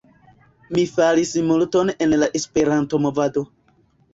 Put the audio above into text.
Mi faris multon en la Esperanto-movado